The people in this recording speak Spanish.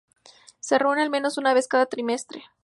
Se reúne al menos una vez cada trimestre.